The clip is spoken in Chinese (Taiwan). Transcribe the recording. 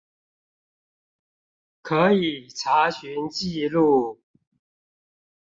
可以查詢記錄